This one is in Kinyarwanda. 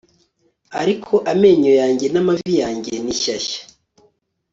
ariko amenyo yanjye n'amavi yanjye ni shyashya